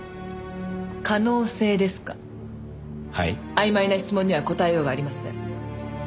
あいまいな質問には答えようがありません。